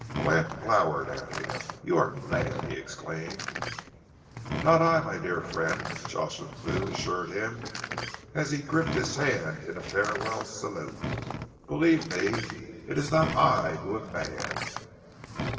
Gant glowered at him. "You are mad!" he exclaimed. "Not I, my dear friend," Jocelyn Thew assured him, as he gripped his hand in a farewell salute. "Believe me, it is not I who am mad.